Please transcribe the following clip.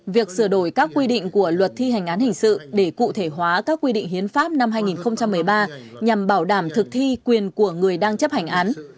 việc sửa đổi các quy định của luật thi hành án hình sự để cụ thể hóa các quy định hiến pháp năm hai nghìn một mươi ba nhằm bảo đảm thực thi quyền của người đang chấp hành án